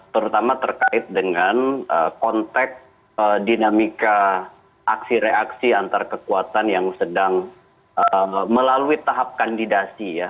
terutama terkait dengan konteks dinamika aksi reaksi antar kekuatan yang sedang melalui tahap kandidasi ya